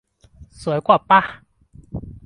สวยกว่าปะ